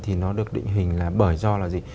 thì nó được định hình là bởi do là gì